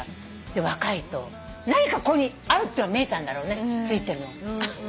若いと何かここにあるって見えたんだろうねついてるのが。